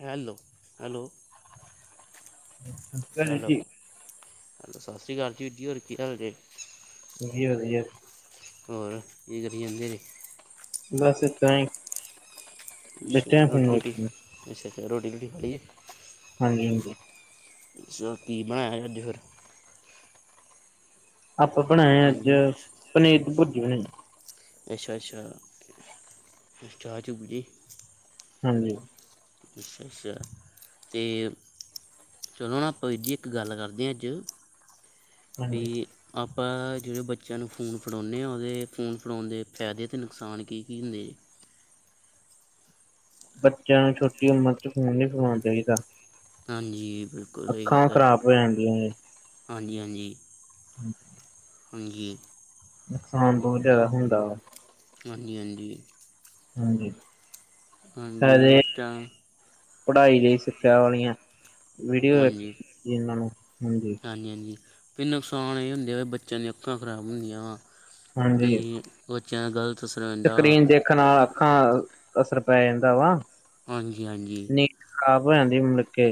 Hello, hello ਸਤਿ ਸ਼੍ਰੀ ਅਕਾਲ ਹੈਲੋ, ਜੀ ਸਸ਼੍ਰੀ ਕਾਲ ਜੀ, ਜੀ ਹੋਰ ਕੀ ਹਾਲ ਜੇ [unintelligible] ਹੋਰ, ਕੀ ਕਰੀ ਜਾਂਦੇ ਬਸ ਇਦਾਂ ਈ ਅੱਛਾ, ਰੋਟੀ- ਰੂਟੀ ਵੇਖਣ ਅੱਛਾ, ਅੱਛਾ ਰੋਟੀ- ਰੂਟੀ ਖਾਲੀਏ? ਹਾਂਜੀ, ਹਾਂਜੀ। ਦਸੋ, ਕੀ ਬਣਾਇਆ ਅੱਜ ਹੋਰ? ਆਪਾਂ ਬਣਾਇਆ ਅੱਜ, ਹਾਂਜੀ ਪਨੀਰ ਦੀ ਪੁਰਜੀ ਬਣਾਈ। ਅੱਛਾ, ਅੱਛਾ, ਚਾਅ ਚੂ ਪੀ ਲੀ? ਹਾਂਜੀ। ਅੱਛਾ, ਅੱਛਾ ਤੇ ਚਲੋ ਨਾ ਆਪਾ ਵੀਰਜੀ ਇੱਕ ਗਲ ਕਾਰਦੇ ਆਂ ਅੱਜ, ਵੀ ਹਾਂਜੀ ਆਪਾਂ, ਜੇੜੇ ਬੱਚਿਆਂ ਨੂ ਫੋਨ ਫੜਾਉਨੇ ਆ ਓਦੇ ਫੋਨ ਫੜਾਉਣ ਦੇ ਫੈਦੇ ਤੇ ਨੁਕਸਾਨ ਕੀ, ਕੀ ਹੁੰਦੈ? ਬੱਚਿਆਂ ਨੂ ਛੋਟੀ ਉਮਰ ਚ ਫੋਨ ਨੀ ਫਡਾਉਣਾ ਚਾਈਦਾ। ਹਾਂਜੀ, ਬਿਲਕੁਲ ਸਈ ਗਲ ਹੈ, ਖ਼ਰਾਬ ਹੋ ਜਾਂਦੀਆਂ ਨੇ ਹਾਂਜੀ, ਹਾਂਜੀ। [unintelligible] ਹਾਂਜੀ ਨੁਕਸਾਨ ਬਹੁਤ ਜਿਆਦਾ ਹੁੰਦਾ ਵਾ ਹਾਂਜੀ ਹਾਂਜੀ। ਹਾਂਜੀ। ਹਾਂਜੀ ਫਾਇਦੇ ਉੱਚਾ ਪੜ੍ਹਾਈ ਲਈ ਸਿੱਖਿਆ ਵਾਲੀਆਂ ਵੀਡੀਓ ਹਾਂਜੀ ਇਹਨਾਂ ਨੂੰ ਹਾਂਜੀ ਹਾਂਜੀ ਹਾਂਜੀ ਨੁਕਸਾਨ ਇਹ ਹੁੰਦਾ ਵੀ ਬੱਚਿਆਂ ਦੀਆਂ ਅੱਖਾਂ ਖਰਾਬ ਹੁੰਦੀਆਂ ਵਾਂ ਹਾਂਜੀ ਕੁਛ ਸਕਰੀਨ ਦੇਖਣ ਨਾਲ ਅੱਖਾਂ ਅਸਰ ਪੈ ਜਾਂਦਾ ਵਾ ਹਾਂਜੀ ਹਾਂਜੀ। ਨ ਖਰਾਬ ਹੋ ਜਾਂਦੀ ਮੁਲਕੇ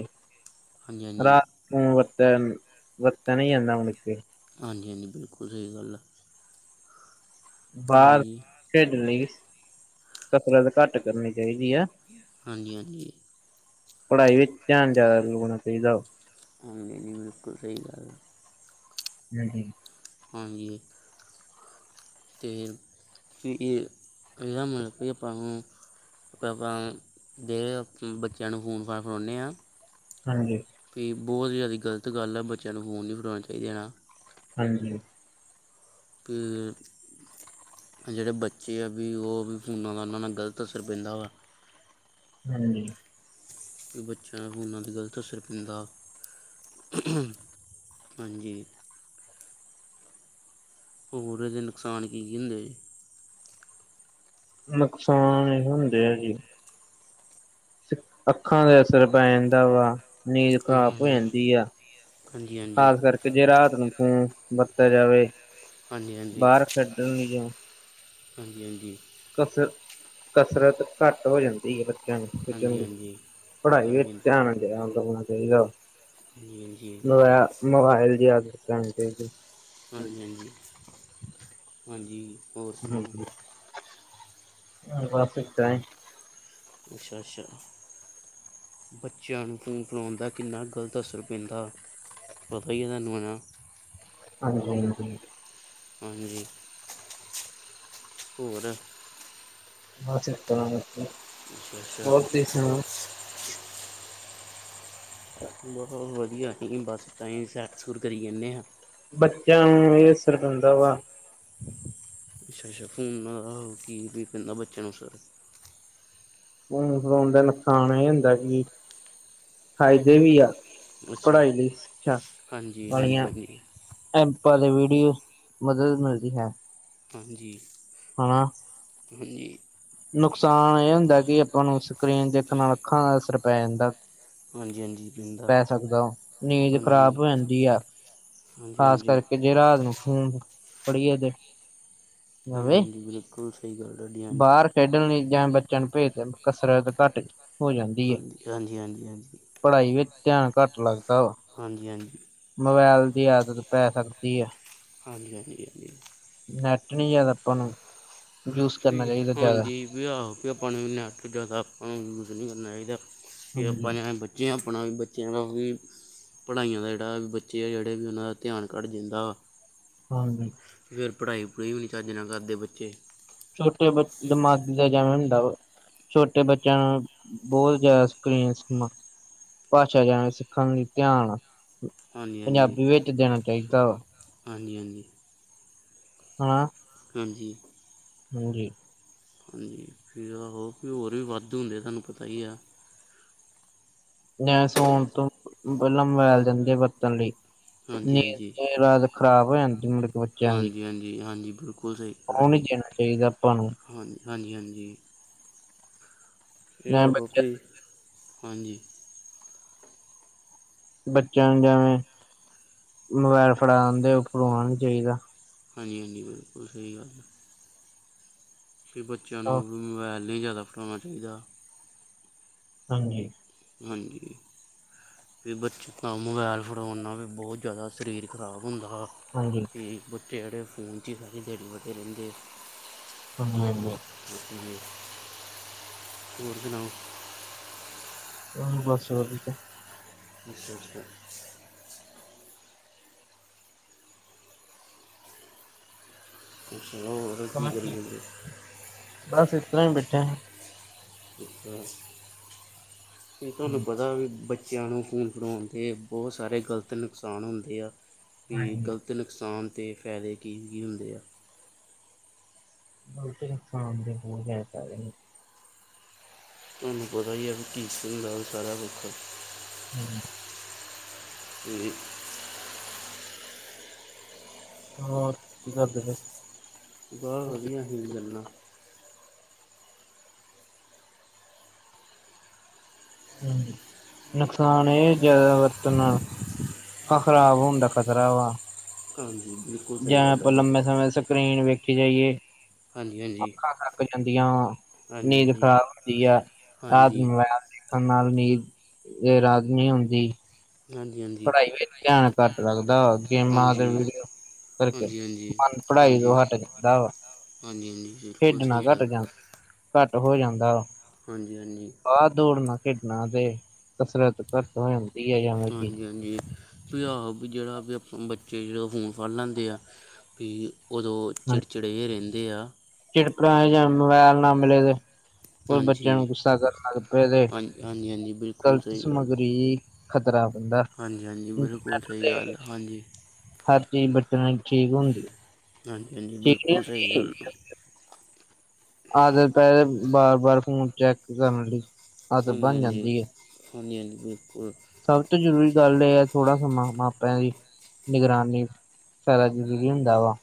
ਹਾਂਜੀ ਹਾਂਜੀ ਰਾਤ ਹੂੰ ਵਰਤਨ ਵਰਤਿਆ ਨੀ ਜਾਂਦਾ ਮੁੜਕੇ ਹਾਂਜੀ ਹਾਂਜੀ ਬਿਲਕੁਲ ਸਹੀ ਗੱਲ ਆ। ਬਾਹਰ ਹਾਂਜੀ ਖੇਡਣ ਲਈ ਕਸਰਤ ਘੱਟ ਕਰਨੀ ਚਾਹੀਦੀ ਆ। ਹਾਂਜੀ ਹਾਂਜੀ। ਪੜ੍ਹਾਈ ਵਿੱਚ ਧਿਆਨ ਜ਼ਿਆਦਾ ਲਗਾਉਣਾ ਚਾਹੀਦਾ ਹਾਂਜੀ ਜੀ ਬਿਲਕੁਲ ਸਹੀ ਗੱਲ ਆ। ਹਾਂਜੀ। ਹਾਂਜੀ। ਅਤੇ ਇਹ ਇਹਦਾ ਮਤਲਬ ਕਿ ਆਪਾਂ ਨੂੰ ਆਪ ਆਪਾਂ ਦੇ ਬੱਚਿਆਂ ਨੂੰ ਫੋਨ ਫਾਨ ਫੜਾਉਂਦੇ ਹਾਂ ਹਾਂਜੀ। ਵੀ ਬਹੁਤ ਜ਼ਿਆਦਾ ਗ਼ਲਤ ਗੱਲ ਆ ਬੱਚਿਆਂ ਨੂੰ ਫੋਨ ਨਹੀਂ ਫੜਾਉਣੇ ਚਾਹੀਦੇ ਨਾ। ਹਾਂਜੀ। ਕਿ ਜਿਹੜੇ ਬੱਚੇ ਆ ਵੀ ਉਹ ਵੀ ਫੋਨਾਂ ਦਾ ਉਹਨਾਂ ਨਾਲ ਗ਼ਲਤ ਅਸਰ ਪੈਂਦਾ ਵਾ। ਹਾਂਜੀ। ਬੱਚਿਆਂ ਨਾਲ ਫੋਨਾਂ ਤੇ ਗਲਤ ਅਸਰ ਪੈਂਦਾ। ਹਾਂਜੀ। ਹੋਰ ਏਦੇ ਨੁਕਸਾਨ ਕੀ ਕੀ ਹੁੰਦੇ ਜੀ? ਨੁਕਸਾਨ ਇਹੀ ਹੁੰਦੇ ਆ ਜੀ। ਅੱਖਾਂ ਤੇ ਅਸਰ ਪੈ ਜਾਂਦਾ ਵਾ। ਨੀਂਦ ਹਾਂ ਖ਼ਰਾਬ ਹਾਂ ਹੋ ਹਾਂ। ਜਾਂਦੀ ਆ। ਹਾਂਜੀ ਹਾਂਜੀ ਹਾਂਜੀ ਖਾਸ ਕਰਕੇ ਜੇ ਰਾਤ ਨੂੰ ਫੋਨ ਵਰਤਿਆ ਜਾਵੇ। ਹਾਂਜੀ ਬਾਹਰ ਖੇਡਣ ਲਈ ਜਾਓ। ਹਾਂਜੀ ਹਾਂਜੀ। ਕਸਰ ਕਸਰਤ ਘੱਟ ਹੋ ਜਾਂਦੀ ਹੈ। ਚੰਗਾ ਹਾਂਜੀ ਹਾਂਜੀ ਫਿਰ ਚੰਗਾ ਹਾਂਜੀ ਪੜਾਈ ਵਿਚ ਧਿਆਨ ਜਾਦਾ ਜਾਣਾ ਚਾਹੀਦਾ। ਹਾਂਜੀ ਮੋਬ ਮੋਬਾਇਲ ਦੀ ਆਦਤ ਛੜਾਉਣੀ ਚਾਹੀਦੀ। ਹਾਂਜੀ, ਹਾਂਜੀ, ਹਾਂਜੀ। ਹੋਰ ਸੁਣਾਓ ਹਮ ਬਸ ਚ ਆਈ। ਅੱਛਾ ਅੱਛਾ ਬੱਚਿਆਂ ਨੂੰ ਫੋਨ ਫੜਾਉਣ ਦਾ ਕਿੰਨਾ ਗਲਤ ਅਸਰ ਪੈਂਦਾ। ਪਤਾ ਹੀ ਹੈ ਤੁਹਾਨੂੰ ਹਨਾਂ। ਹਾਂਜੀ ਹਾਂਜੀ। ਹਾਂਜੀ। ਹੋਰ ਬਸ ਏਦਾ ਕਰ ਕੇ। ਅੱਛਾ ਅੱਛਾ। ਬਹੁਤ ਵਧੀਆ ਨਹੀਂ ਬਸ ਤਾਈ ਸੈਰ ਸੁਰ ਕਰੀ ਜਾਂਦੇ ਹਾਂ। ਬੱਚਿਆਂ ਨੂੰ ਇਹ ਅਸਰ ਪੈਂਦਾ ਵਾ। ਅੱਛਾ-ਅੱਛਾ ਫੋਨਾਂ ਨਾਲ ਕੀ ਕਹਿੰਦਾ ਬੱਚਿਆਂ ਨੂੰ ਅਸਰ। ਹੁਣ ਫੋਨ ਦਾ ਨੁਕਸਾਨ ਇਹ ਹੁੰਦਾ ਕਿ ਫਾਇਦੇ ਵੀ ਆ। ਅੱਛਾ ਪੜ੍ਹਾਈ ਲਈ ਸਿੱਖਿਆ ਹਾਂਜੀ ਹਾਂਜੀ ਵਾਲੀਆਂ। ਹਾਂਜੀ ਐਪਾਂ ਦੇ ਵੀਡੀਓ ਮਦਦ ਮਿਲਦੀ ਹੈ। ਹਾਂਜੀ। ਹਨਾ। ਹਾਂਜੀ। ਨੁਕਸਾਨ ਇਹ ਹੁੰਦਾ ਕਿ ਆਪਾਂ ਨੂੰ ਸਕਰੀਨ ਦੇਖਨ ਨਾਲ ਅੱਖਾਂ ਦਾ ਅਸਰ ਪੈ ਜਾਂਦਾ। ਹਾਂਜੀ-ਹਾਂਜੀ। ਪੈ ਸਕਦਾ ਹੋ ਨੀਂਦ ਖ਼ਰਾਬ ਹੋ ਜਾਂਦੀ ਆ ਹਾਂਜੀ ਖ਼ਾਸ ਹਾਂਜੀ ਕਰਕੇ। ਜੇ ਰਾਤ ਨੂੰ ਫੋਨ ਫੜੀਏ ਤੇ। ਜਾਵੇ ਹਾਂਜੀ-ਹਾਂਜੀ, ਬਿਲਕੁਲ ਸਹੀ ਗੱਲ, ਤੁਹਾਡੀ ਹਾਂਜੀ। ਬਾਹਰ ਖੇਡਣ ਲਈ ਜਾਂ ਬੱਚਿਆਂ ਨੂੰ ਭੇਜ ਦੇਣ ਕਸਰਤ ਘੱਟ ਹੋ ਜਾਂਦੀ ਹੈ। ਹਾਂਜੀ ਹਾਂਜੀ ਹਾਂਜੀ ਹਾਂਜੀ ਪੜ੍ਹਾਈ ਵਿੱਚ ਧਿਆਨ ਘੱਟ ਲੱਗਦਾ ਵਾ। ਹਾਂਜੀ-ਹਾਂਜੀ। ਮੋਬਾਇਲ ਦੀ ਆਦਤ ਪੈ ਸਕਦੀ ਹੈ। ਹਾਂਜੀ-ਹਾਂਜੀ-ਹਾਂਜੀ। ਨੈਟ ਨੀ ਜਿਆਦਾ ਆਪਾਂ ਨੂੰ ਯੂਜ ਕਰਨਾ ਚਾਹੀਦਾ ਜਿਆਦਾ। ਵਿਆਹ ਹੋ ਕੇ ਆਪਾ ਨੂੰ ਇਨਾਂ ਜ਼ਿਆਦਾ ਆਪਾਂ ਨੂੰ ਯੂਜ ਨਹੀਂ ਕਰਨਾ ਚਾਹੀਦਾ ਵੀ ਹਾਂਜੀ ਆਪਾਂ ਨੇ ਬ। ਜਿਵੇਂ ਆਪਣਾ, ਬੱਚਿਆਂ ਦਾ ਉਹੀ। ਪੜ੍ਹਾਈਆਂ ਦਾ ਜਿਹੜਾ ਵੀ ਬੱਚੇ ਆ ਜਿਹੜੇ ਵੀ ਉਹਨਾਂ ਦਾ ਧਿਆਨ ਘੱਟ ਜਾਂਦਾ ਵਾ। ਹਾਂਜੀ। ਫਿਰ ਪੜ੍ਹਾਈ-ਪੜੂਈ ਵੀ ਨਹੀਂ ਚੱਜ ਨਾਲ ਕਰਦੇ ਬੱਚੇ। ਛੋਟੇ ਬੱਚੇ ਦੇ ਦਿਮਾਗ ਚ ਜਾਣਾ ਹੁੰਦਾ ਹੈ। ਛੋਟੇ ਬੱਚਿਆਂ ਨੂੰ ਬਹੁਤ ਜ਼ਿਆਦਾ ਸਕਰੀਨ ਭਾਸ਼ਾ ਜਾਣ ਸਿੱਖਣ ਲਈ ਧਿਆਨ। ਪੰਜਾਬੀ ਵਿੱਚ ਦੇਣਾ ਚਾਹੀਦਾ ਵਾ ਹਾਂਜੀ-ਹਾਂਜੀ-ਹਾਂਜੀ-ਹਾਂਜੀ। ਹਾਂ। ਹਾਂਜੀ। ਹਾਂਜੀ। [unintelligible] ਹਾਂਜੀ, ਹੋਰ ਵੀ ਵੱਧੂ ਹੁੰਦੇ ਤੁਹਾਨੂੰ ਪਤਾ ਹੀ ਆ। ਨ ਸੌਣ ਤੋ ਪਹਿਲਾਂ ਮੈ ਬਹਿ ਜਾਣਗੇ ਬਰਤਨ ਲਈ ਹਾਂਜੀ ਨੀਦ ਹਾਂਜੀ ਤਾ ਖਰਾਬ ਹੋ ਜਾਂਦੀ ਮੁੜ ਕੇ ਬ ਹਾਂਜੀ-ਹਾਂਜੀ-ਹਾਂਜੀ, ਬਿਲਕੁਲ ਸਹੀ ਗੱਲ ਉਹ ਨੀ ਤੁਹਾਡੀ। ਦੇਣਾ ਚਾਹੀਦਾ ਆਪਾਂ ਨੂੰ ਹਾਂ ਹਾਂਜੀ-ਹਾਂਜੀ, ਦ ਜਿਵੇਂ ਉਹੋ ਫ ਬੱਚੇ ਹਾਂਜੀ। ਬੱਚਿਆਂ ਨੂੰ ਜਿਵੇਂ ਮੋਬਾਇਲ ਫੜਾ ਦੇ ਉੱਹ ਫੜਾਣਾ ਨੀ ਚਾਹੀਦਾ। ਹਾਂਜੀ-ਹਾਂਜੀ, ਬਿਲਕੁਲ ਸਹੀ ਗੱਲ ਹੈ। ਫਿਰ ਬੱਚਿਆਂ ਨੂੰ ਹਾਂ, ਮੋਬਾਇਲ ਨਹੀਂ ਜ਼ਿਆਦਾ ਫੜਾਨਾ ਚਾਹੀਦਾ। ਹਾਂਜੀ। ਹਾਂਜੀ। ਫਿਰ ਬੱਚੇ ਨੂੰ ਮੋਬਾਇਲ ਫੜੋਨ ਨਾਲ ਵੀ ਬਹੁਤ ਜ਼ਿਆਦਾ ਸ਼ਰੀਰ ਖਰਾਬ ਹੁੰਦਾ। ਹਾਂਜੀ। ਠੀਕ, ਬੱਚੇ ਜਿਹੜੇ ਫੋਨ ਫੋਨ ਚ ਸਾਰੀ ਦਿਹਾੜੀ ਵੜੇ ਰਹਿੰਦੇ। ਹਾਂਜੀ-ਹਾਂਜੀ। [unintelligible] ਹੋਰ ਸੁਣਾਓ। ਹਾ, ਬਸ ਵਧੀਆ। ਅੱਛਾ-ਅੱਛਾ। ਸੁਣਾਔ ਹੋਰ ਕੀ ਕਰੀ ਹਾਂਜੀ, ਜਾਂਦੇ? ਬਸ ਇਸਤਰਾ ਹੀ ਬੈਠੇ ਹਾਂ। ਕੀ ਤੁਹਾਨੂੰ ਪਤਾ ਵੀ ਬੱਚੇ ਬੱਚਿਆਂ ਨੂੰ ਫੋਨ ਫੜਉਣ ਦੇ ਬਹੁਤ ਸਾਰੇ ਗਲਤ ਨੁਕਸਾਨ ਹੁੰਦੇ ਆ ਵੀ ਹਾਂਜੀ ਗਲਤ ਅਤੇ ਨੁਕਸਾਨ ਤੇ ਫਾਇਦੇ ਕੀ, ਕੀ ਹੁੰਦੇ ਆ? ਫੋਨ ਦੇ ਨੁਕਸਾਨ ਤੇ ਬਹੁਤ ਜਿਆਦਾ ਫਾਇਦੇ ਨੀ। ਤੁਹਾਨੂੰ ਪਤਾ ਹੀ ਹੈ ਵੀ ਕੀਸਣ ਦਾ ਸਾਰਾ ਰੁੱਖ ਹੂੰ। ਹਾਂਜੀ। ਹੋਰ ਕੀ ਕਰਦੇ ਪਏ? ਬਹੁਤ ਵਧੀਆ ਅਸੀ ਕੀ ਕਰਨਾ? ਹਾਂਜੀ, ਨੁਕਸਾਨ ਏ ਜ਼ਿਆਦਾ ਵਰਤਣ ਨਾਲ ਅਖਾ ਖਰਾਬ ਹੋਣ ਦਾ ਖਤਰਾ ਵਾ। ਹਾਂਜੀ। ਜ ਸਹੀ ਗੱਲ ਆਪਾਂ ਤੁਹਾਡੀ ਲੰਮੇ ਸਮੇਂ ਸਕਰੀਨ ਵੇਖੀ ਜਾਈਏ, ਹਾਂਜੀ ਹਾਂਜੀ ਅੱਖਾਂ ਖਰਾਬ ਕਈਆਂ ਦੀਆਂ ਹਾਂਜੀ ਨੀਂਦ ਹਾਂਜੀ ਖ਼ਰਾਬ ਹੁੰਦੀ ਆ ਰਾਤ ਨੂੰ ਹਾਂਜੀ ਮੋਬਾਇਲ ਦੇਖ ਕੇ। ਆਖਾ ਨਾਲ ਨੀਂਦ ਰਾਤ ਨੀ ਆਉਂਦੀ। ਹਾਂਜੀ ਹਾਂਜੀ ਪੜ੍ਹਾਈ ਵਿੱਚ ਧਿਆਨ ਘੱਟ ਲੱਗਦਾ ਵਾ ਗੇਮਾਂ ਤੇ ਹਾਂਜੀ ਵੀਡੀਓ ਕਰਕੇ ਹਾਂਜੀ ਹਾਂਜੀ ਮਨ ਪੜਾਈ ਤੋਂ ਹਟ ਜਾਂਦਾ ਵਾ। ਹਾਂਜੀ-ਹਾਂਜੀ, ਬਿਲਕੁਲ ਸਹੀ ਖੇਡਣਾ ਘੱਟ ਗੱਲ ਜਾਂ ਘੱਟ ਹੋ ਜਾਂਦਾ ਵਾ। ਹਾਂਜੀ-ਹਾਂਜੀ। ਬਾਰ ਦੌੜਨਾ-ਖੇਡਣਾ ਤੇ ਕਸਰਤ ਘੱਟ ਹੋ ਜਾਂਦੀ ਹੈ ਜੇਵੇਂ ਕਿ ਜਗੀਰ [unintelligible] ਵੀ ਆਹੋ ਵੀ ਜਿਹੜਾ ਵੀ ਆਪ ਬੱਚੇ ਜਦੋ ਫੋਨ ਫੜ ਲੈਂਦੇ ਆ ਵੀ ਉਦੋਂ ਚਿੜਚਿੜੇ ਜੇ ਰਹਿੰਦੇ ਆ। ਚਿੜਪ ਜਾਂ ਮੋਬਾਇਲ ਨਾ ਮਿਲੇ ਤੇ ਕੋਈ ਬੱਚਿਆਂ ਹਾਂਜੀ ਨੂੰ ਗੁੱਸਾ ਕਰਨ ਲੱਗ ਪਿਆ ਤੇ ਹਾਂ ਹਾਂਜੀ ਹਾਂਜੀ ਬਿਲਕੁਲ ਗਲਤ ਸਹੀ ਗੱਲ ਸਮੱਗਰੀ ਖ਼ਤਰਾ ਬੰਦਾ। ਹਾਂਜੀ, ਹਾਂਜੀ ਬਿਲਕੁਲ ਸਹੀ ਗੱਲ ਹਾਂਜੀ। ਹਰ ਚੀਜ਼ ਬਚਣ ਠੀਕ ਹੁੰਦੀ। ਹਾਂਜੀ, ਹਾਂਜੀ ਠੀਕ ਨੀ ਬਿਲਕੁਲ ਸਹੀ ਗੱਲ। ਹੁੰਦੀ ਆਦਤ ਪੈ ਦੇ ਬਾਰ, ਬਾਰ ਫੋਨ ਚੈੱਕ ਕਰਨ ਦੀ ਹਾਂਜੀ, ਹਾਂਜੀ, ਹਾਂਜੀ, ਹਾਂਜੀ ਬਿਲਕੁਲ। ਸਭ ਤੋਂ ਜ਼ਰੂਰੀ ਗੱਲ ਇਹ ਹੈ, ਥੋੜ੍ਹਾ ਸਮਾਂ ਮਾਪਿਆਂ ਦੀ ਨਿਗਰਾਨੀ ਫੈਦਾ ਜਰੂਰੀ ਹੁੰਦਾ ਵਾ।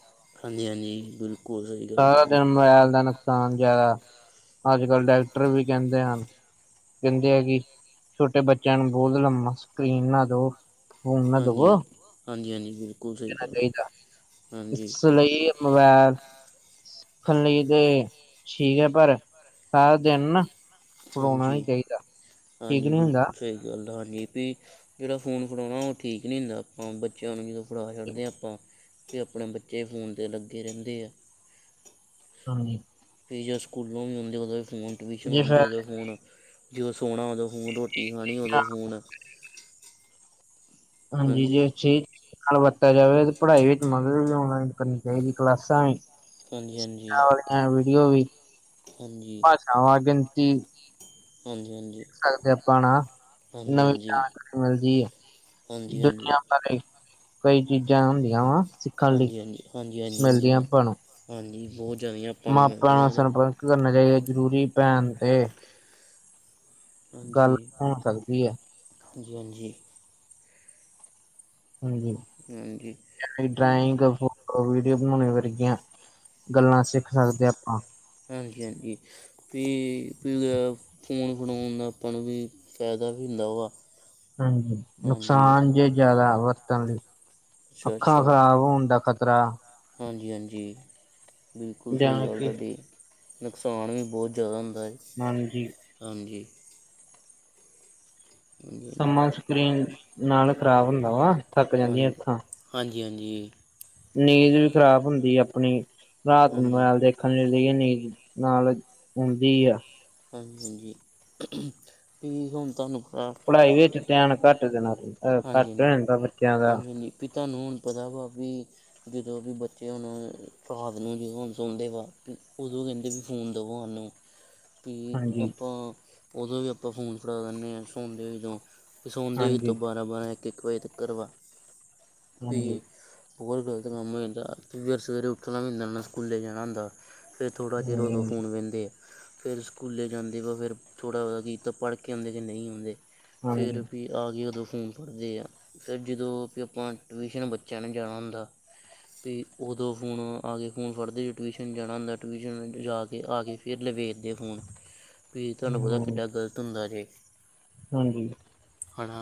ਹਾਂਜੀ, ਹਾਂਜੀ ਬਿਲਕੁਲ। ਸਹੀ ਗੱਲ ਸਾਰਾ ਤੁਹਾਡੀ ਦਿਨ ਮੋਬਾਇਲ ਦਾ ਨੁਕਸਾਨ ਜ਼ਿਆਦਾ ਅੱਜ ਕੱਲ੍ਹ ਡੈਕਟਰ ਵੀ ਕਹਿੰਦੇ ਹਨ। ਕਹਿੰਦੇ ਆ ਕਿ ਛੋਟੇ ਬੱਚਿਆਂ ਨੂੰ ਬਹੁਤ ਲੰਮਾ ਸਕਰੀਨ ਨਾ ਦੋ ਫੋਨ ਨਾ ਦਵੋ ਹਾਂਜੀ, ਹਾਂਜੀ, ਹਾਂਜੀ ਬਿਲਕੁ ਦੇਣਾ ਚਾਹੀਦਾ। ਇਸ ਲਈ ਮੋਬਾਇਲ ਸਿੱਖਣ ਲਈ ਤੇ ਠੀਕ ਹੈ, ਪਰ ਸਾਰਾ ਦਿਨ ਨਾ ਫੜਾਉਣਾ ਨੀ ਹਾਂਜੀ ਚਾਹੀਦਾ ਠੀਕ ਹਾਂਜੀ ਨਹੀਂ ਹੁੰਦਾ। ਬਿਲਕੁਲ ਸਹੀ ਗੱਲ ਹਾਂਜੀ ਵੀ ਜਿਹੜਾ ਫੋਨ ਫੜਾਉਣਾ ਉਹ ਠੀਕ ਨਹੀਂ ਹੁੰਦਾ ਆਪਾਂ ਬੱਚਿਆਂ ਨੂੰ ਜਦੋਂ ਫੜਾ ਛੱਡਦੇ ਹਾਂ ਆਪਾਂ ਕਿ ਆਪਣੇ ਬੱਚੇ ਫੋਨ 'ਤੇ ਲੱਗੇ ਰਹਿੰਦੇ ਆ। ਹਾਂਜੀ। ਫੇਰ ਜਦੋਂ ਸਕੂਲਾਂ ਵੀ ਆਉਂਦੇ ਉਦੋਂ ਵੀ ਫੋਨ ਟਿਊਸ਼ਨ ਜੇ ਆਉਂਦੇ ਫਿਰ ਉਦੋਂ ਫੋਨ ਜਦੋਂ ਸੋਣਾ ਉਦੋਂ ਹੂਣ ਰੋਟੀ ਖਾਣੀ ਉਦੋਂ ਫੋਨ ਹਾਂਜੀ ਜੀ ਅਸੀ ਨਾਲ ਵਰਤਾ ਜਾਵੇ ਤੇ ਪੜ੍ਹਾਈ ਵਿੱਚ ਮਦਦ ਵੀ ਔਨਲਾਈਨ ਕਰਨੀ ਚਾਹੀਦੀ ਕਲਾਸਾਂ ਵੀ ਹਾਂਜੀ ਵਾਲੀਆਂ ਵੀਡੀਓ ਵੀ ਹਾਂਜੀ ਹਾਂਜੀ ਭਾਸ਼ਾਵਾਂ ਗਿਣਤੀ ਹਾਂਜੀ-ਹਾਂਜੀ। ਸਕਦੇ ਅਪਾਂ ਨਾ, ਨਵੀਂ ਹਾਂਜੀ [unintelligible] ਮਿਲ ਦੀ ਏ। ਹਾਂਜੀ ਹਾਂਜੀ ਹਾਂਜੀ ਦੁਨੀਆਂ ਹਾਂਜੀ ਬਾਰੇ ਕਈ ਚੀਜ਼ਾਂ ਹੁੰਦੀਆਂ ਵਾ। ਸਿੱਖਣ ਲਈ ਹਾਂਜੀ-ਹਾਂਜੀ, ਹਾਂਜੀ-ਹਾਂਜੀ। ਮਿਲਦੀਆਂ ਹੁੰਦੀਆਂ, ਆਪਾਂ ਨੂੰ ਹਾਂਜੀ, ਬੋਤ ਜ਼ਿਆਦੀਆਂ। ਮਾਪਿਆਂ ਨਾਲ ਸੰਪਰਕ ਕਰਨਾ ਚਾਈਦਾ, ਜ਼ਰੂਰੀ ਭੈਣ, ਤੇ ਗੱਲ ਹਾਂਜੀ, ਹੋ ਸਕਦੀ ਹੈ ਹਾਂਜੀ-ਹਾਂਜੀ। ਹਾਂਜੀ, ਹਾਂਜੀ ਵੀ ਡਰਾਇੰਗ ਬਹੁ ਵੀਡੀਓ ਬਣਾਉਣੇ ਵਰਗੀਆਂ ਗੱਲਾਂ ਸਿੱਖ ਸਕਦੇ ਆਪਾਂ। ਹਾਂਜੀ-ਹਾਂਜੀ, ਤੇ ਫਿਰ ਤੇ ਇਨ ਗੁਣਾਂ ਆਪਾਂ ਨੂੰ ਵੀ ਫ਼ੈਦਾ ਵੀ ਹੁੰਦਾ ਵਾ। ਹਾਂਜੀ, ਹਾਂਜੀ ਨੁਕਸਾਨ ਜੇ ਜ਼ਾਦਾ ਵਰਤਣ ਲੀ, ਅੱਖਾਂ ਖ਼ਰਾਬ ਹੋਣ ਦਾ ਖਤਰਾ। ਤਰਾ ਹਾਂਜੀ-ਹਾਂਜੀ, ਬਿਲਕੁਲ ਸਹੀ ਜਾਂ ਗੱਲ ਕਿ ਤਾੱਡੀ। ਨੁਕਸਾਨ ਵੀ ਬੋਤ ਜ਼ਾਦਾ ਹੁੰਦਾ ਏ। ਹਾਂਜੀ। ਹਾਂਜੀ। ਹਾਂਜੀ ਹਾਂਜੀ ਸਮਾਂ ਸਕਰੀਨ ਨਾਲ ਖਰਾਬ ਹੁੰਦਾ ਵਾ, ਥੱਕ ਜਾਂਦੀਆਂ ਅਖਾੱ। ਹਾਂਜੀ-ਹਾਂਜੀ। ਨੀਂਦ ਵੀ ਖ਼ਰਾਬ ਹੁੰਦੀ ਅਪਣੀ, ਰਾਤ ਨੂ ਹਾਂਜੀ ਹਾਂਜੀ ਮੁਬੈਲ ਦੇ [unintelligible] ਨੀਂਦ ਨਾਲ ਹੁੰਦੀ ਆ। ਹਾਂਜੀ-ਹਾਂਜੀ, [unintelligible] ਤੁਹਾਨੂੰ ਖ਼ਰਾਬ ਪੜਾਈ ਵਿਚ ਧਿਆਨ ਘੱਟ ਦੇਨਾ ਘੱਟ ਰਹਿੰਦਾ ਬੱਚਿਆਂ ਦਾ। ਵੀ, ਤਾਨੂੰ ਹੁਣ ਪਤਾ ਵਾ ਵੀ ਜਦੋਂ ਵੀ ਬੱਚੇ ਹੁਣ, ਰਾਤ ਨੂੰ ਜਦੋਂ ਹੁਣ ਸੌਂਦੇ ਵਾ, ਉਦੋਂ ਕਹਿੰਦੇ ਵੀ ਫੋਨ ਦਵੋ ਉਹਨੂੰ। ਵੀ, ਹਾਂਜੀ ਆਪਾਂ ਉਦੋਂ ਵੀ ਆਪਾਂ ਫੋਨ ਫੜਾ ਦਿਨੇ ਹਾਂ, ਸੋੰਦੇ ਨੀ ਜਦੋਂ। ਸੌਂਦੇ ਵੀ ਤਾਂ ਹਾਂਜੀ ਬਾਰਾਂ-ਬਾਰਾਂ, ਇੱਕ-ਇੱਕ ਵਜੇ ਤੱਕਰ ਵਾ। ਫੇ ਹਾਂਜੀ ਬਹੁਤ ਗਲਤ ਕੰਮ ਹੋ ਜਾਂਦਾ, ਫੇਰ ਸਵੇਰੇ ਉੱਠਣਾ ਵੀ ਹੁੰਦਾ ਨਾ, ਸਕੂਲੇ ਜਾਣਾ ਹੁੰਦਾ। ਫਿਰ ਥੋੜ੍ਹਾ ਚਿਰ, ਉਦੋਂ ਹਾਂਜੀ ਫੋਨ ਵੇਂਦੇ ਆ। ਫੇਰ ਸਕੂਲੇ ਜਾਂਦੇ ਵਾ, ਫੇਰ ਥੋੜਾ [unintelligible] ਕੀਤਾ, ਪੜਕੇ ਆਂਦੇ, ਜੇ ਨਈ ਆਂਦੇ, ਹਾਂਜੀ ਫੇਰ ਵੀ ਆ ਕੇ ਉਦੋਂ ਫੋਨ ਫੜ੍ਹਦੇ ਆ। ਫੇਰ, ਜਦੋਂ ਵੀ ਆਪਾਂ ਟਿਊਸ਼ਨ ਬੱਚਿਆਂ ਨੇ ਜਾਣਾ ਹੁੰਦਾ ਵੀ ਉਦੋਂ ਫੋਨ ਆ ਕੇ ਫੋਨ ਫੜਦੇ। ਟਵਿਸ਼ਨ ਜਾਣਾ ਹੁੰਦਾ, ਟਵਿਸ਼ਨ ਜਾ ਕੇ ਆ ਕੇ ਫ ਫਿਰ ਲੈ ਵੇਖਦੇ ਫੋਨ ਫਿਰ ਤਾਨੂੰ ਪਤਾ, ਕਿੱਡਾ ਗ਼ਲਤ ਹੁੰਦਾ ਜੇ। ਹਾਂਜੀ। ਹਨਾ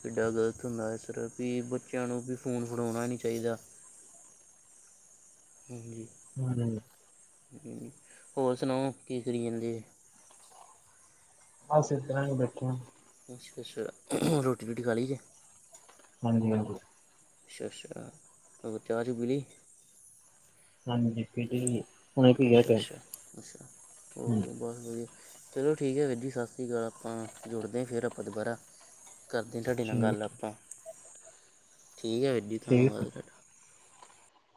ਕਿੱਡਾ ਗ਼ਲਤ ਹੁੰਦਾ, ਇਸ ਤਰਾਂ ਵੀ ਬੱਚਿਆਂ ਨੂੰ ਵੀ ਫੋਨ ਫੜੋਣਾ ਨਹੀਂ ਚਾਹੀਦਾ। ਹਾਂਜੀ। ਹੁੰ। ਹੋਰ, ਸੁਣਾਉ ਕੀ ਕਰੀ ਜਾਂਦੇ? ਬਸ, ਇਸ ਤਰਾਂ ਹੀ ਬੈਠੇ ਹਾਂ। ਅੱਛਾ -ਅੱਛਾ, ਰੋਟੀ-ਰੂਟੀ ਖਾ ਲੀ ਜੇ? ਹਾਂਜੀ-ਹਾਂਜੀ। ਅੱਛਾ-ਅੱਛਾ, ਹੋਰ ਚਾਹ-ਚੂਹ ਪੀ ਲਈ? ਹਾਂਜੀ, ਹੁਣ ਠੀਕ ਅੱਛਾ-ਅੱਛਾ, ਅੱਛਾ, ਹੈ, ਹੋਰ। ਬਹੁਤ ਵਧੀਆ, ਚਲੋ, ਠੀਕ ਏ ਵੀਰ ਜੀ ਸਤਿ ਸ੍ਰੀ ਅਕਾਲ ਕਾਲ, ਆਪਾਂ ਜੁੜਦੇ ਫਿਰ ਆ ਆਪਾਂ ਦੁਬਾਰਾ। ਕਰਦੇ ਆ, ਤਾਡੇ ਨਾਲ ਗੱਲ ਆਪਾਂ। ਠੀਕ ਐ ਵੀਰ ਜੀ। ਠੀਕ ਧੰਨਵਾਦ ਫਿਰ।